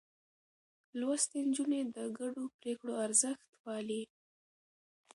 لوستې نجونې د ګډو پرېکړو ارزښت پالي.